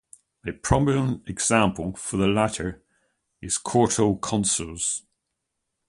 A prominent example for the latter is Cortal Consors.